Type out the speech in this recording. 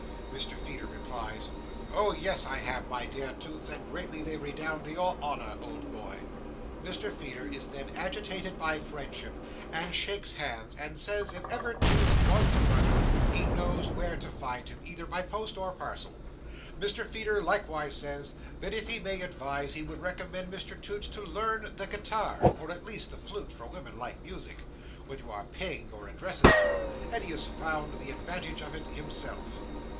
Mr Feeder replies, "Oh, yes, I have, my dear Toots; and greatly they redound to your honour, old boy." Mr Feeder is then agitated by friendship, and shakes hands; and says, if ever Toots wants a brother, he knows where to find him, either by post or parcel. Mr Feeder like wise says, that if he may advise, he would recommend Mr Toots to learn the guitar, or, at least the flute; for women like music, when you are paying your addresses to 'em, and he has found the advantage of it himself.